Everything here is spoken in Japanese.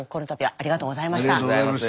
ありがとうございます。